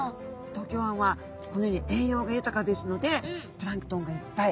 東京湾はこのように栄養が豊かですのでプランクトンがいっぱい。